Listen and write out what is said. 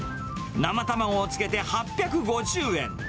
生卵を付けて８５０円。